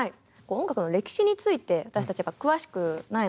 音楽の歴史について私たち詳しくないのでまだ。